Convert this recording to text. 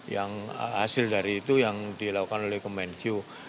yang hasil dari itu yang dilakukan oleh kementerian keuangan